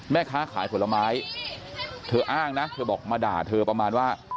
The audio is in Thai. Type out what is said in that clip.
แม่ค้าขายผลไม้เธออ้างนะเธอบอกมาด่าเธอประมาณว่า